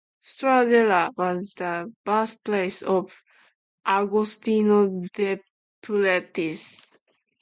Stradella was the birthplace of Agostino Depretis.